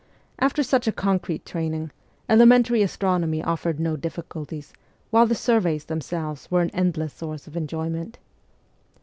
After such a concrete training, elementary astronomy offered no difficulties, while the surveys themselves were an endless source of enjoyment.